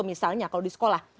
misalnya kalau di sekolah